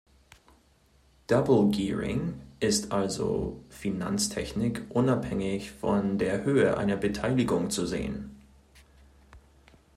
Double gearing ist also, Finanztechnik unabhängig von der Höhe einer Beteiligung zu sehen.